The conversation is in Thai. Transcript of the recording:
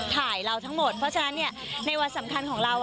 ถ่ายเราทั้งหมดเพราะฉะนั้นในวันสำคัญของเรา